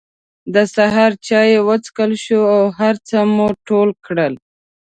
د سهار چای وڅکل شو او هر څه مو ټول کړل.